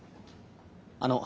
あの。